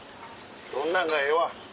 そんなんがええわ。